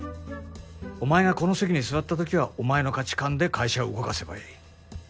お前がこの席に座ったときはお前の価値観で会社を動かせばいい。